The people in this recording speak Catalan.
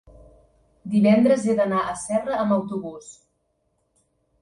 Divendres he d'anar a Serra amb autobús.